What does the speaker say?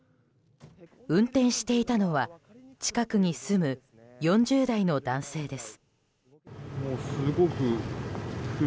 運転していたのは近くに住む４０代の男性です。